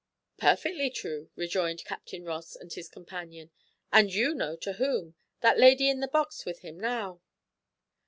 "Perfectly true," rejoined Captain Ross and his companion, "and you know to whom that lady in the box with him now."